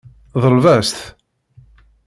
Ḍleb-as-t.